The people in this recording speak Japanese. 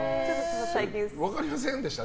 分かりませんでした？